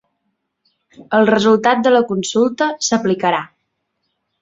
El resultat de la consulta s’aplicarà.